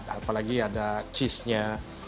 apalagi ada cheese nya